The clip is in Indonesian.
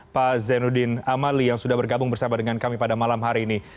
pak zainuddin amali yang sudah bergabung bersama dengan kami pada malam hari ini